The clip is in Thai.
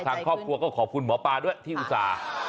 ทางครอบครัวก็ขอบคุณหมอปลาด้วยที่อุตส่าห์